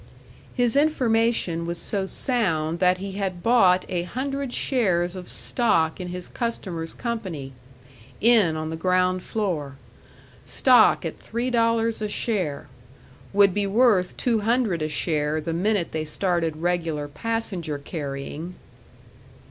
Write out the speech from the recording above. His information was so sound that he had bought a hundred shares of stock in his customer's company. In on the ground floor. Stock at three dollars a share. Would be worth two hundred a share the minute they started regular passenger carrying.